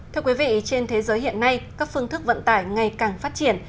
thưa quý vị trên thế giới hiện nay các phương thức vận tải ngày càng phát triển